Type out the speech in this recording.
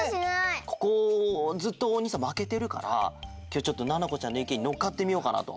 ここずっとお兄さんまけてるからきょうちょっとななこちゃんのいけんにのっかってみようかなと。